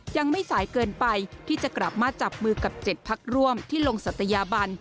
ยังไม่สายเกินไปที่จะกลับมาจับมือกับ๗พักร่วมที่ลงศัตยาบัน